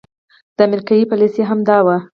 د امريکې پاليسي هم دا وه